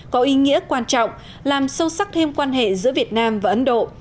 có ý nghĩa quan trọng làm sâu sắc thêm quan hệ giữa việt nam và ấn độ